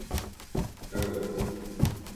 Tom has been delayed again.